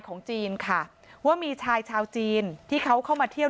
ของจีนค่ะว่ามีชายชาวจีนที่เขาเข้ามาเที่ยว